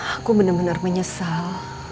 aku benar benar menyesal